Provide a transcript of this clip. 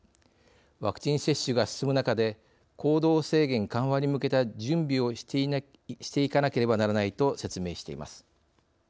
ワクチン接種が進む中で行動制限緩和に向けた準備をしていかなければならない」と説明しています。